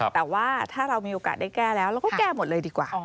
แต่ว่าถ้าเรามีโอกาสได้แก้แล้วเราก็แก้หมดเลยดีกว่า